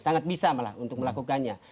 sangat bisa malah untuk melakukannya